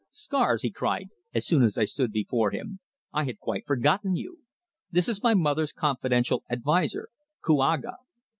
"Scars!" he cried, as soon as I stood before him. "I had quite forgotten you. This is my mother's confidential adviser, Kouaga."